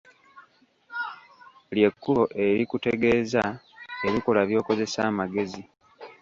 Lye kkubo erikutegeeza ebikolwa by'okozesa amagezi.